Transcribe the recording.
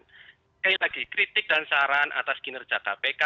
sekali lagi kritik dan saran atas kinerja kpk